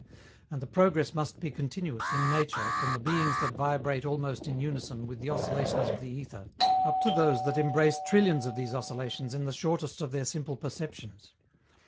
And the progress must be continuous, in nature, from the beings that vibrate almost in unison with the oscillations of the ether, up to those that embrace trillions of these oscillations in the shortest of their simple perceptions.